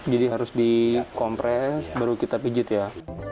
jadi harus dikompres baru kita pijat ya